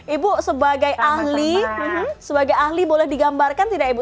ibu sebagai ahli boleh digambarkan tidak ibu